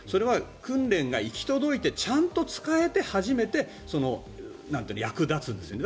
訓練が行き届いてちゃんと使えて初めて役立つんですよね。